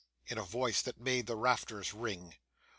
in a voice that made the rafters ring.